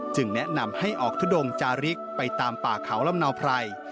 แนะนำให้ออกทุดงจาริกไปตามป่าเขาลำเนาไพร